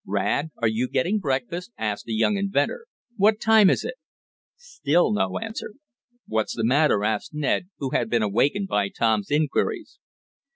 "Rad, are you getting breakfast?" asked the young inventor. "What time is it?" Still no answer. "What's the matter?" asked Ned, who had been awakened by Tom's inquiries.